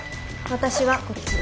私はこっち。